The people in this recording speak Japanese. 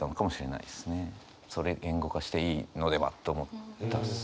それを言語化していいのではと思ったんですよね。